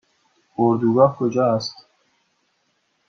اردوگاه کجا است؟